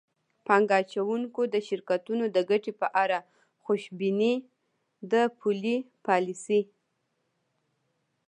پانګه اچوونکو د شرکتونو د ګټې په اړه خوشبیني د پولي پالیسۍ